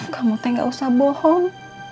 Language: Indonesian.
kamu teh gak usah bohong